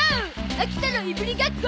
秋田のいぶりがっこ！